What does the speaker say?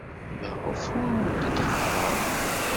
Maɣef ur awent-d-ɣɣareɣ?